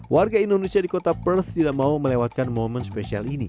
warga indonesia di kota perth tidak mau melewati